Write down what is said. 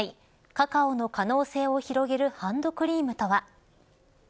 カカオの可能性を広げるハンドクリームとは。